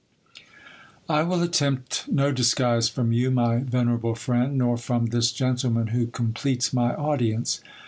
I WILL attempt no disguise from you, my venerable friend, nor from this gentleman who completes my audience.